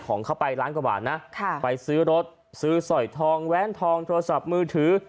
ของเขาไปล้านกว่าบาทนะไปซื้อรถซื้อสอยทองแว้นทองโทรศัพท์มือถือ